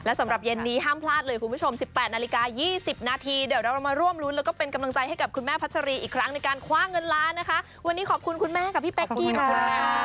สำหรับเย็นนี้ห้ามพลาดเลยคุณผู้ชม๑๘นาฬิกา๒๐นาทีเดี๋ยวเรามาร่วมรุ้นแล้วก็เป็นกำลังใจให้กับคุณแม่พัชรีอีกครั้งในการคว่างเงินล้านนะคะวันนี้ขอบคุณคุณแม่กับพี่เป๊กกี้ขอบคุณค่ะ